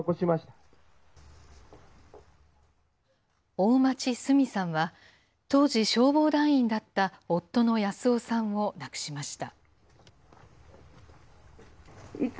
大町寿美さんは、当時、消防団員だった夫の安男さんを亡くしました。